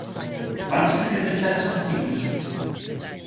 ¿Vanse incrementar as sancións?